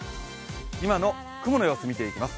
今の雲の様子見ていきます。